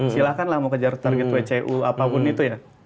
silahkan lah mau kejar target wcu apapun itu ya